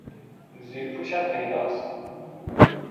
زیرپوشت پیداست!